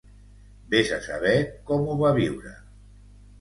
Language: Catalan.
Ves a saber com ho va viure.